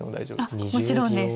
もちろんです。